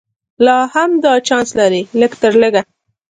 لا هم دا چانس لري چې لږ تر لږه.